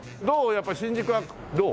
やっぱり新宿はどう？